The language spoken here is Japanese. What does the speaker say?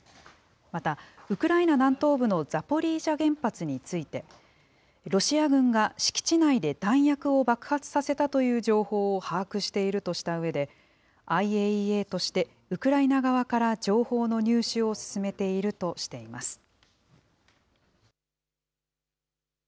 またウクライナ南東部のザポリージャ原発について、ロシア軍が敷地内で弾薬を爆発させたという情報を把握しているとしたうえで、ＩＡＥＡとして、ウクライナ側から情報の入手を進めているとしています。